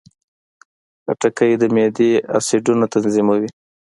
خټکی د معدې اسیدونه تنظیموي.